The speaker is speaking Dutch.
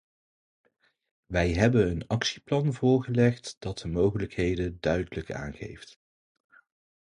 Wij hebben een actieplan voorgelegd dat de mogelijkheden duidelijk aangeeft.